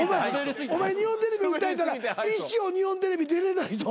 お前日本テレビ訴えたら一生日本テレビ出れないぞ。